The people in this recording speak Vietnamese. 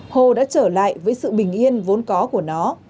hồ đã trở lại với sự bình yên vốn có của nó